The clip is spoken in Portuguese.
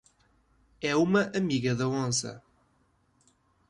É uma amiga da onça